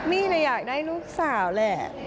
มี่เลยอยากได้ลูกสาวแหละ